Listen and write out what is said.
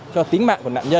cho tính mạng của nạn nhân